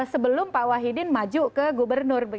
sebelum pak wahidin maju ke gubernur